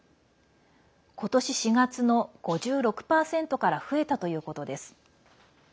今年４月の５６％から増えたということです。